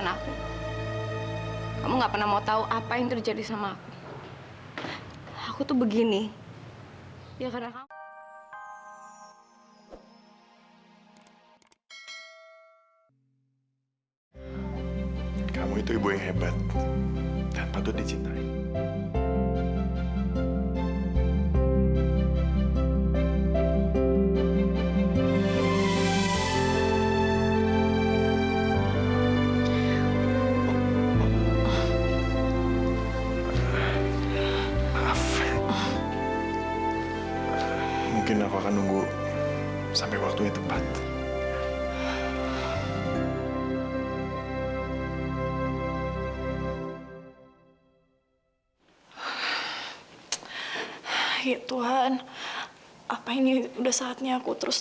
nah mama mau antarin sarapan untuk anak mama diandra